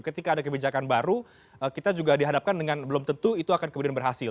ketika ada kebijakan baru kita juga dihadapkan dengan belum tentu itu akan kemudian berhasil